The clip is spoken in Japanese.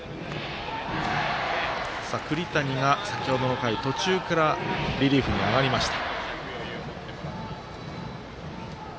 栗谷が先ほどの回途中からリリーフに上がりました。